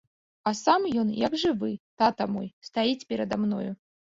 А сам ён як жывы, тата мой, стаіць перада мною.